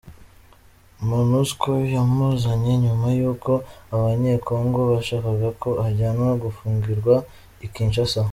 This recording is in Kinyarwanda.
Monusco yamuzanye nyuma y’uko Abanyecongo bashakaga ko ajyanwa gufungirwa i Kinshasa.